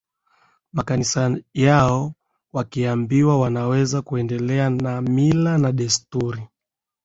makanisa yao wakiambiwa wanaweza kuendelea na mila na desturi